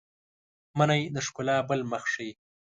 منی د ښکلا بل مخ ښيي